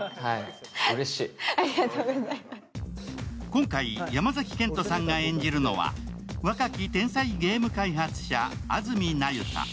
今回、山崎賢人さんが演じるのは若き天才ゲーム開発者、安積那由他